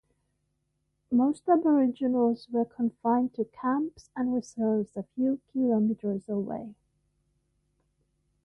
Most Aboriginals were confined to camps and reserves a few kilometres away.